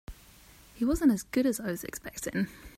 He wasn't as good as I was expecting.